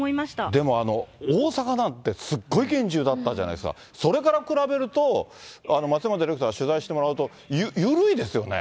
でもあの、大阪なんてすっごい厳重だったじゃないですか、それから比べると、松山ディレクター、取材してもらうと、緩いですよね。